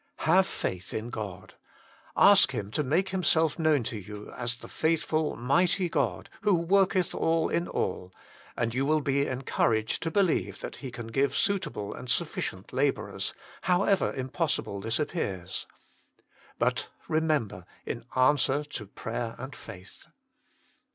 Have faith in God ! Ask Him to make Himself known to you as the faithful, mighty God, who worketh all in all ; and you will be encouraged to believe that He can give suitable and sufficient labourers, however impossible this appears. But, remember, in answer to prayer and faith.